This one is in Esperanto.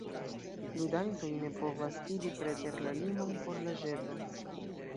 Ludantoj ne povas iri preter la limon por la ĵeto.